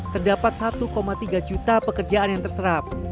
terdapat satu tiga juta pekerjaan yang terserap